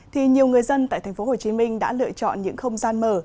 thì nhiều người dân tại thành phố hồ chí minh đã lựa chọn những không gian mở